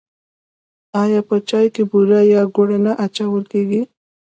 آیا په چای کې بوره یا ګوړه نه اچول کیږي؟